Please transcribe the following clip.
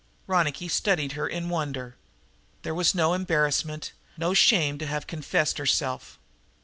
Ronicky studied her in wonder. There was no embarrassment, no shame to have confessed herself.